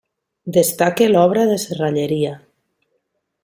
Destaca l'obra de serralleria.